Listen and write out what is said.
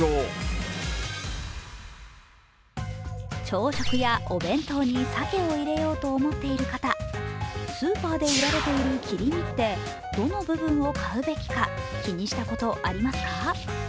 朝食やお弁当に鮭を入れようと思っている方、スーパーで売られている切り身ってどの部分を買うべきか気にしたことありますか？